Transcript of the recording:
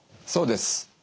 そうです。